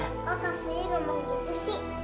kok kak fili ngomong gitu sih